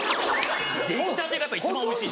出来たてが一番おいしい。